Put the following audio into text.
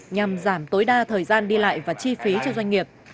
nhằm giảm tối đa thời gian đi lại và chi phí cho doanh nghiệp